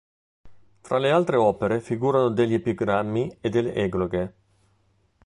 Fra le altre opere figurano degli epigrammi e delle egloghe.